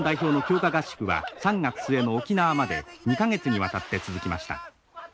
合宿は３月末の沖縄まで２か月にわたって続きました。